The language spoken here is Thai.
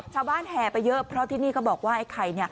ชาวบ้านแห่ไปเยอะเพราะที่นี่เขาบอกว่าไอ้ไข่